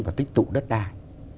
và tích tụ đất đai